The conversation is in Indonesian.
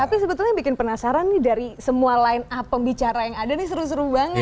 tapi sebetulnya bikin penasaran nih dari semua line up pembicara yang ada nih seru seru banget